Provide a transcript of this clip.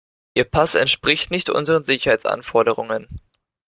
Ihr Pass entspricht nicht unseren Sicherheitsanforderungen.